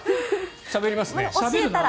しゃべりますね。